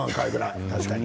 確かに。